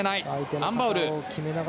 アン・バウル。